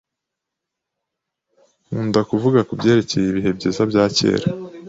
Nkunda kuvuga kubyerekeye ibihe byiza bya kera.